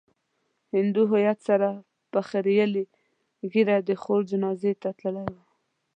هندو هويت سره په خريلې ږيره د خور جنازې ته تللی و.